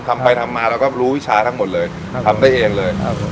ทำไปทำมาเราก็รู้วิชาทั้งหมดเลยทำได้เองเลยครับผม